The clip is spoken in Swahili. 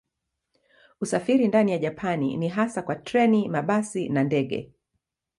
Usafiri ndani ya Japani ni hasa kwa treni, mabasi na ndege.